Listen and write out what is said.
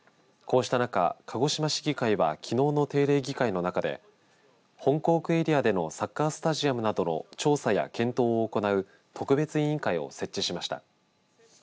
こうした中、鹿児島市議会はきのうの定例議会の中で本港区エリアでのサッカースタジアムなどの調査や検討を行う特別委員会を設置しました。